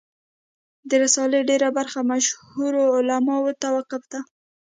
د رسالې ډېره برخه مشهورو علماوو ته وقف ده.